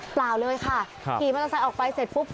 เปล่าเลยค่ะขี่มอเตอร์ไซค์ออกไปเสร็จปุ๊บ